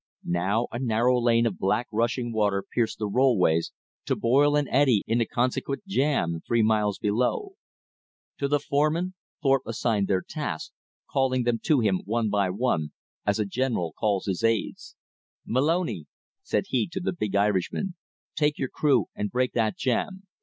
Now a narrow lane of black rushing water pierced the rollways, to boil and eddy in the consequent jam three miles below. To the foremen Thorpe assigned their tasks, calling them to him one by one, as a general calls his aids. "Moloney," said he to the big Irishman, "take your crew and break that jam.